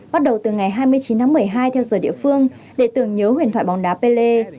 bắt đầu từ ngày hai mươi chín tháng một mươi hai theo giờ địa phương để tưởng nhớ huyền thoại bóng đá pelle